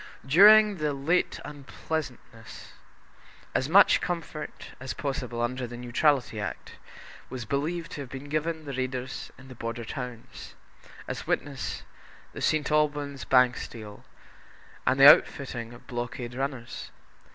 During the late unpleasantness, as much comfort as possible under the Neutrality Act was believed to have been given the raiders into the border towns, as witness the St. Alban's Bank steal and the outfitting of blockade runners.